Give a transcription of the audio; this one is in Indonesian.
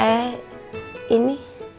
eh eh ini